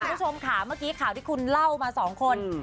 คุณผู้ชมค่ะเมื่อกี้ข่าวที่คุณเล่ามาสองคน